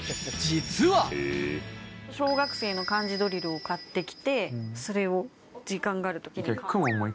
小学生の漢字ドリルを買って来てそれを時間がある時に。